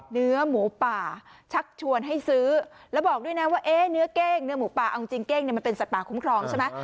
เนื้อหมูป่าชักชวนให้ซื้อแล้วบอกด้วยนะว่าเอ๊ะเนื้อเก้งเนื้อหมูป่าเอาจริงเก้งเนี่ยมันเป็นสัตว์ป่าคุ้มครองใช่ไหม